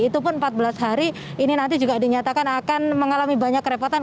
itu pun empat belas hari ini nanti juga dinyatakan akan mengalami banyak kerepotan